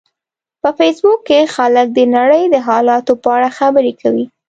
په فېسبوک کې خلک د نړۍ د حالاتو په اړه خبرې کوي